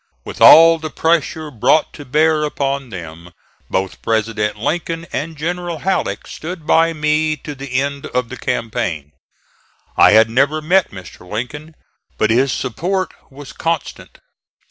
With all the pressure brought to bear upon them, both President Lincoln and General Halleck stood by me to the end of the campaign. I had never met Mr. Lincoln, but his support was constant.